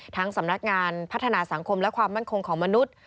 สำนักงานพัฒนาสังคมและความมั่นคงของมนุษย์